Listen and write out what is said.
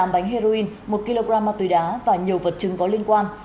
bốn mươi tám bánh heroin một kg ma túy đá và nhiều vật chứng có liên quan